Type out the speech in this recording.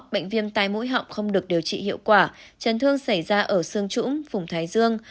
bệnh viêm tai mũi họng không được điều trị hiệu quả chấn thương xảy ra ở xương trũng phùng thái dương